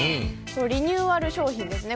リニューアル商品ですね。